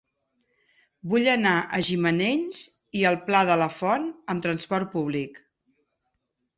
Vull anar a Gimenells i el Pla de la Font amb trasport públic.